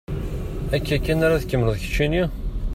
Akka kan ara tt-tkemmleḍ keččini?